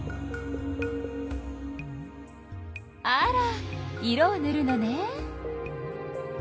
あら色をぬるのね。